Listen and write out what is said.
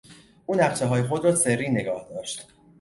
او نقشههای خود را سری نگاهداشت.